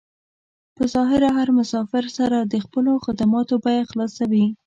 په ظاهره له هر مسافر سره د خپلو خدماتو بيه خلاصوي.